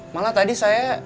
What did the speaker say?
malah tadi saya